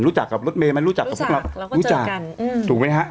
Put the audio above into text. รู้จักกับรถเมย์ไหมรู้จักกับพวกเรารู้จักกันถูกไหมฮะ